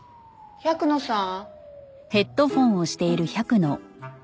百野さん。